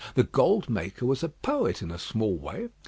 The "gold maker" was a poet in a small way.